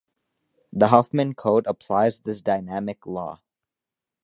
The Huffman code applies this dynamic law.